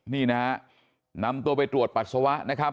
นี่นะฮะนำตัวไปตรวจปัสสาวะนะครับ